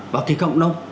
và kỳ cộng đồng